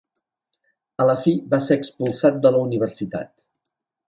A la fi, va ser expulsat de la universitat.